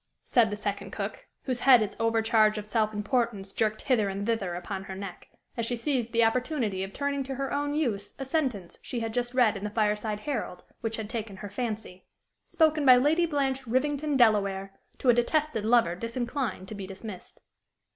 said the second cook, whose head its overcharge of self importance jerked hither and thither upon her neck, as she seized the opportunity of turning to her own use a sentence she had just read in the "Fireside Herald" which had taken her fancy spoken by Lady Blanche Rivington Delaware to a detested lover disinclined to be dismissed.